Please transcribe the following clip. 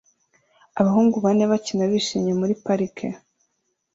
Abahungu bane bakina bishimye muri parike